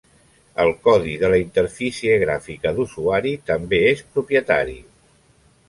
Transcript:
El codi de la interfície gràfica d'usuari també és propietari.